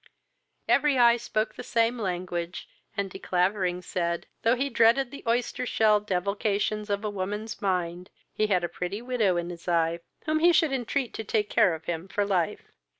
Every eye spoke the same language, and De Clavering said, though he dreaded the oyster shell devilifications of a woman's mind, he had a pretty widow in his eye, whom he should entreat to take care of him for life.